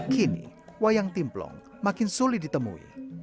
kini wayang timplong makin sulit ditemui